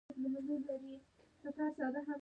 بادام د افغان تاریخ په مهمو کتابونو کې ذکر شوي دي.